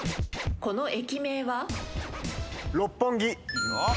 この駅名は？